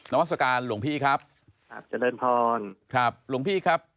นวัฒกาลหลวงพี่ครับจริงพรครับหลวงพี่ครับ